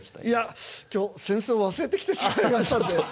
いや今日扇子を忘れてきてしまいましたので。